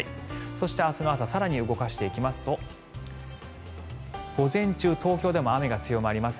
そして、明日の朝更に動かしていきますと午前中、東京でも雨が強まります